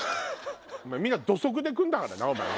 みんな土足で来るんだからな。